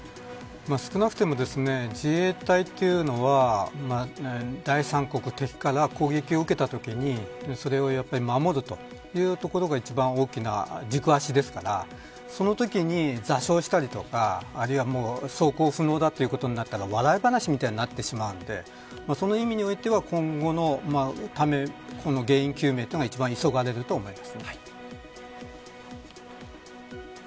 少なくとも自衛隊というのは第三国敵から攻撃を受けたときにそれを守るというところが一番大きな軸足ですからそのときに座礁したりとか走行不能ということになったら笑い話になってしまうのでその意味においては今後のため原因究明が一番急がれると思います。